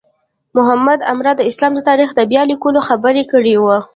محمد عماره د اسلام د تاریخ د بیا لیکلو خبره کړې وه.